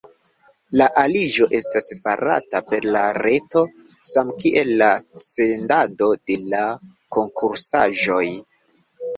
La aliĝo estas farata per la reto, samkiel la sendado de la konkursaĵoj.